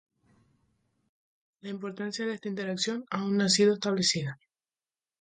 La importancia de esta interacción aún no ha sido establecida.